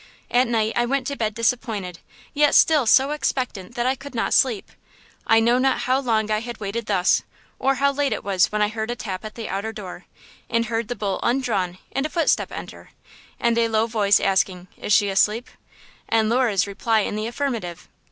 At night I went to bed disappointed, yet still so expectant that I could not sleep. I know not how long I had waited thus, or how late it was when I heard a tap at the outer door, and heard the bolt undrawn and a footstep enter and a low voice asking: "Is she asleep?" and Lura's reply in the affirmative.